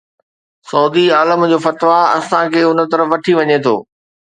سعودي عالم جو فتويٰ اسان کي ان طرف وٺي وڃي ٿو.